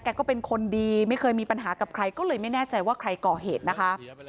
ก็เป็นคนดีไม่เคยมีปัญหากับใครก็เลยไม่แน่ใจว่าใครก่อเหตุนะคะ